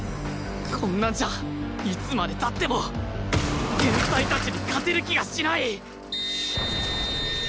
こんなんじゃいつまで経っても天才たちに勝てる気がしない！